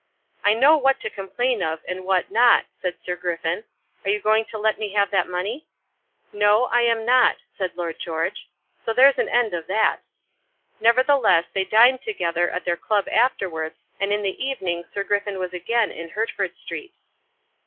"I know what to complain of, and what not," said Sir Griffin. "Are you going to let me have that money?" "No; I am not," said Lord George, "so there's an end of that." Nevertheless, they dined together at their club afterwards, and in the evening Sir Griffin was again in Hertford Street.